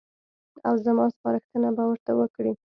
او زما سپارښتنه به ورته وکړي.